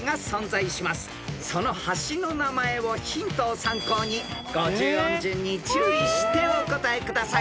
［その橋の名前をヒントを参考に五十音順に注意してお答えください］